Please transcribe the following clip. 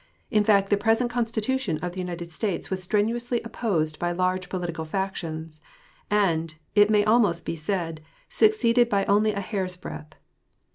In fact, the present Constitution of the United States was strenuously opposed by large political factions, and, it may almost be said, succeeded by only a hair's breadth.